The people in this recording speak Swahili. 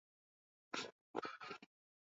Niliumia sana walai.